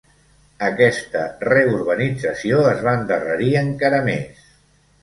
Aquesta reurbanització es va endarrerir encara més.